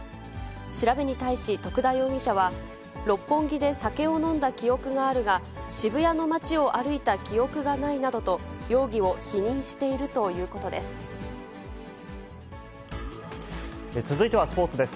調べに対し徳田容疑者は、六本木で酒を飲んだ記憶があるが、渋谷の街を歩いた記憶がないなどと、容疑を否認しているというこ続いてはスポーツです。